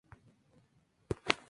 ellos habían vivido